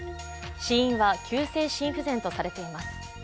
死因は急性心不全とされています。